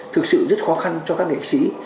thực sự rất khó khăn cho các nghệ sĩ